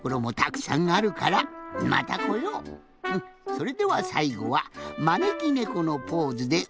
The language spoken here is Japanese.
それではさいごはまねきねこのポーズでおわかれです。